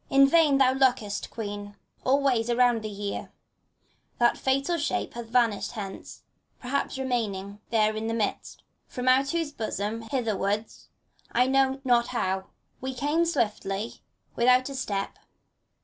In vain thou lookest, Queen, all ways around thee here; That fatal shape hath vanished hence, perhaps re mained There in the mists, from out whose bosom hither wards — I know not how — ^we came, swiftly, without a step.